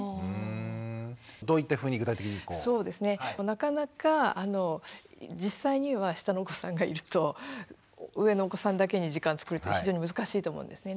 なかなか実際には下のお子さんがいると上のお子さんだけに時間をつくるって非常に難しいと思うんですね。